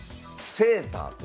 セーター？